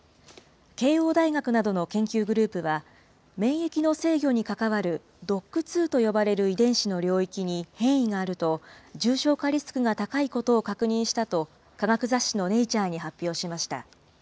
慶応大学などの研究グループは、免疫の制御に関わるＤＯＣＫ２と呼ばれる遺伝子の領域に変異があると、重症化リスクが高いことを確認したと、科学雑誌のネイチャーに発表しました。